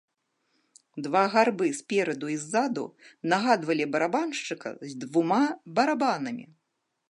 Два гарбы спераду і ззаду нагадвалі барабаншчыка з двума барабанамі.